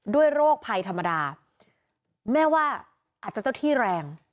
โรคภัยธรรมดาแม่ว่าอาจจะเจ้าที่แรง